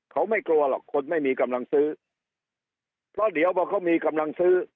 เขาไม่กลัวหรอกคนไม่มีกำลังซื้อเพราะเดี๋ยวพอเขามีกำลังซื้อ